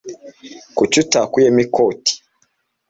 Kuki utakuyemo ikoti?